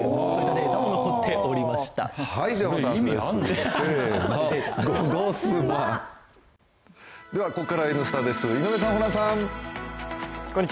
アサヒの緑茶「颯」ではここからは「Ｎスタ」です井上さん、ホランさん。